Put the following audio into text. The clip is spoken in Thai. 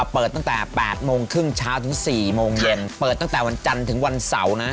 เปิดตั้งแต่๘โมงครึ่งเช้าถึง๔โมงเย็นเปิดตั้งแต่วันจันทร์ถึงวันเสาร์นะ